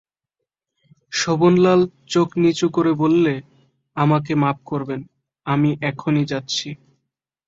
শোভনলাল চোখ নিচু করে বললে, আমাকে মাপ করবেন, আমি এখনই যাচ্ছি।